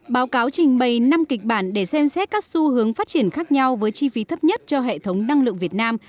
báo cáo trình bày năm kịch bản để xem xét các xu hướng phát triển khác nhau với chi phí thấp nhất cho hệ thống năng lượng việt nam